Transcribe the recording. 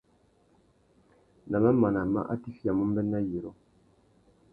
Nà mamana má atiffiyamú mbê, nà yirô.